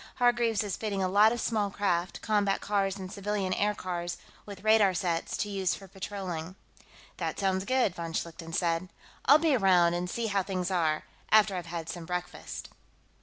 Hargreaves is fitting a lot of small craft combat cars and civilian aircars with radar sets, to use for patrolling." "That sounds good," von Schlichten said. "I'll be around and see how things are, after I've had some breakfast."